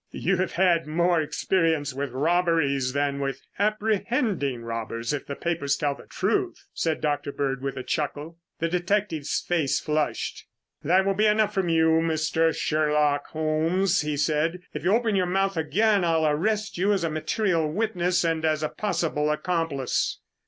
"You have had more experience with robberies than with apprehending robbers if the papers tell the truth," said Dr. Bird with a chuckle. The detective's face flushed. "That will be enough from you, Mr. Sherlock Holmes," he said. "If you open your mouth again, I'll arrest you as a material witness and as a possible accomplice."